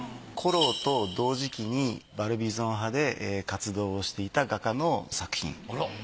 コローと同時期にバルビゾン派で活動をしていた画家の作品。